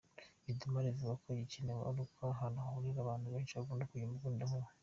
Midimar ivuga ko igikenewe ari uko ahantu hahurira abantu benshi hagomba kujya umurindankuba.